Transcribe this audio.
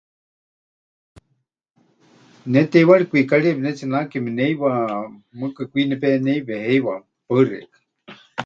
Ne teiwari kwikarieya pɨnetsinake mɨneiwa, mɨɨkɨ kwi nepeneiwe heiwa. Paɨ xeikɨ́a.